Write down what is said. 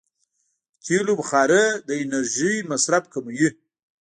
د تېلو بخاري د انرژۍ مصرف کموي.